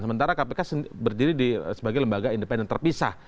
sementara kpk berdiri sebagai lembaga independen terpisah